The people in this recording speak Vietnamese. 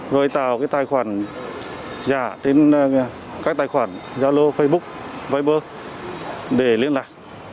rồi tạo cái tài khoản giả đến các tài khoản giao lô facebook viber để liên lạc